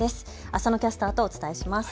浅野キャスターとお伝えします。